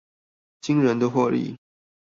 驚人的獲利